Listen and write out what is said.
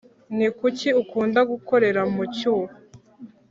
nikuki ukunda gukorera mu cyuho